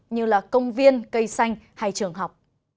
như là công viên cây xanh hay trường học